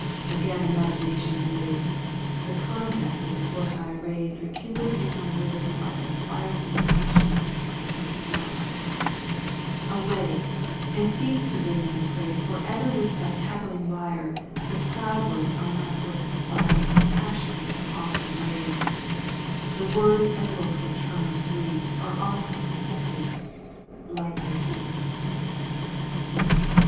Again imagination blazed, The contact of the foot I raised EeMndled in my withered heart The fires of passion and its smart — Away ! and cease to ring their praise For ever with thy tattling lyre, / The proud ones are not worth the fii^ \^ Of passion they so often raise. У Digitized by VjOOQ 1С 20 EUGENE ON^GUINE. canto l The words and looks of charmers sweet Are oft deceptive — ^like their feet.